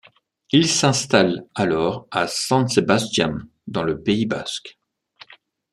Ils s'installent alors à San Sebastián, dans le Pays basque.